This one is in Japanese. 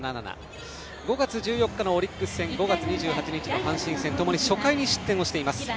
５月１４日のオリックス戦５月２８日の阪神戦ともに初回に失点をしています。